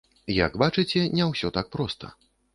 Як бачыце, не ўсё так проста.